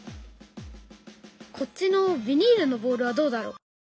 こっちのビニールのボールはどうだろう？